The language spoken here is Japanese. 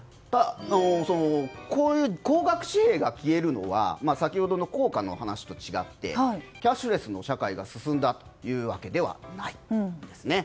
こういう高額紙幣が消えるのは先ほどの硬貨の話と違ってキャッシュレスの社会が進んだというわけではないんですね。